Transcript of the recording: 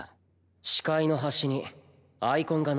視界の端にアイコンがないか？